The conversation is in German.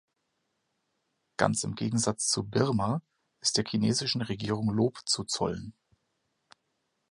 Ganz im Gegensatz zu Birma ist der chinesischen Regierung Lob zu zollen.